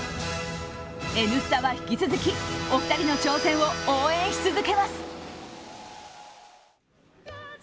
「Ｎスタ」は引き続き、お二人の挑戦を応援し続けます。